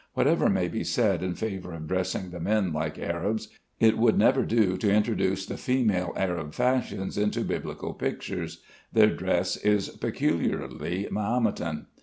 Whatever may be said in favor of dressing the men like Arabs, it would never do to introduce the female Arab fashions into Biblical pictures. Their dress is peculiarly Mahometan.